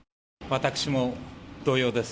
私も同様です。